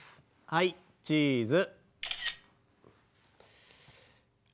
はいチーズ。